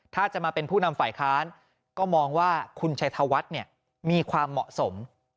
ถ้าจะมาเป็นผู้นำฝ่ายค้านก็มองว่าคุณชัยธวัฒน์มีความเหมาะสม